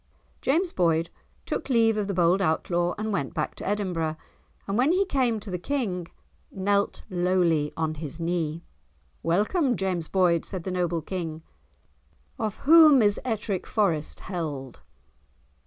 James Boyd took leave of the bold Outlaw and went back to Edinburgh, and when he came to the King, knelt lowly on his knee. "Welcome, James Boyd," said the noble King, "of whom is Ettrick Forest held?"